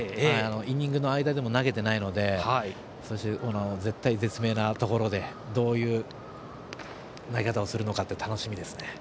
イニングの間でも投げてないので絶体絶命なところでどういう投げ方をするのか楽しみですね。